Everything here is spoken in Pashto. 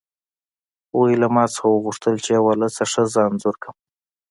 هغوی له ما وغوښتل چې یوه لوڅه ښځه انځور کړم